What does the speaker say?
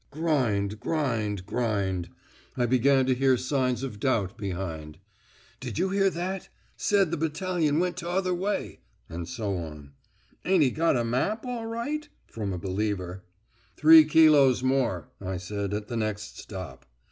Grind, grind, grind. I began to hear signs of doubt behind. 'Did you hear that? Said the battalion went t'other way,' and so on. 'Ain't 'e got a map all right?' from a believer. 'Three kilos more,' I said at the next stop.